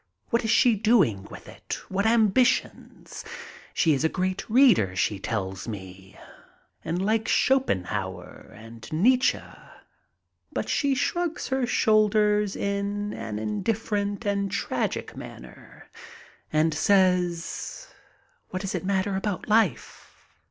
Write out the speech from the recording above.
What is she doing with it? What ambitions? She is a great reader, she tells me, and likes Schopenhauer and Nietzsche. But she shrugs her shoulders in an indifferent and tragic manner and says, "What does it matter about life?